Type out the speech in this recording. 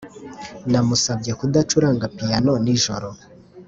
namusabye kudacuranga piyano nijoro.